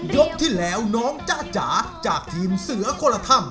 ยกที่แล้วน้องจ้าจ๋าจากทีมเสือคนละท่ำ